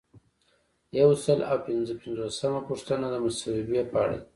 یو سل او پنځه پنځوسمه پوښتنه د مصوبې په اړه ده.